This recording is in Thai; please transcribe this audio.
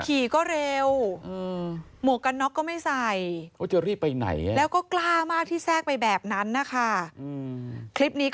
ขี่ก็เร็วหมวกกันน็อกก็ไม่ใส่